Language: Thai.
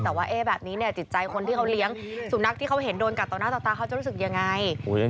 แต่ว่าแบบนี้จิตใจคนที่เขาเลี้ยงสุนัขที่เขาเห็นโดนกัดต่อหน้าต่อตาเขาจะรู้สึกยังไง